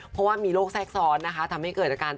เพราะว่ามีโรคแทรกซ้อนนะคะทำให้เกิดอาการ